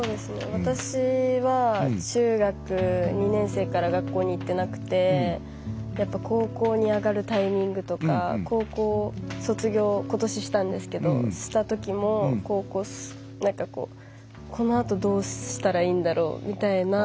私は中学２年生から学校に行ってなくてやっぱ高校に上がるタイミングとか高校を卒業、今年したんですけどしたときも、このあとどうしたらいいんだろうみたいな。